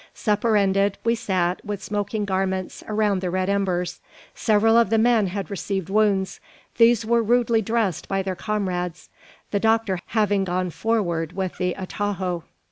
Supper ended, we sat, with smoking garments, around the red embers. Several of the men had received wounds. These were rudely dressed by their comrades, the doctor having gone forward with the atajo.